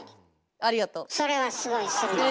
ありがと。